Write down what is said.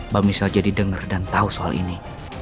mbak misal jadi denger dan tau soal ini